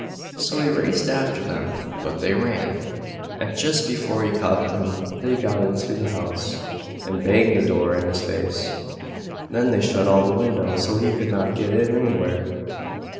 So he raced after them, but they ran, and just before he caught them they got into the house, and banged the door in his face. Then they shut all the windows, so he could not get in anywhere.